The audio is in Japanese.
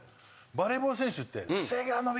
バレーボール選手って。